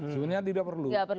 sebenarnya tidak perlu